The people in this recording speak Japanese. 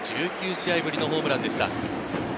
１９試合ぶりのホームランでした。